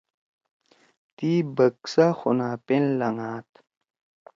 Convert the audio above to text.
تی بکسا خُونا پین لھنگاد۔